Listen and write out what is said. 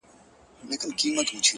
د تجربې ښوونه ژوره اغېزه لري!